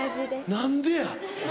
何でや？